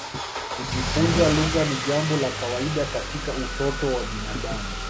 Kujifunza lugha ni jambo la kawaida katika utoto wa binadamu.